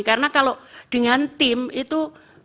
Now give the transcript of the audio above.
karena kalau dengan tim itu